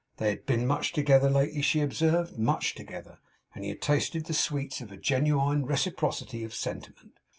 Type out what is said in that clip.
They had been much together lately, she observed, much together, and had tasted the sweets of a genuine reciprocity of sentiment.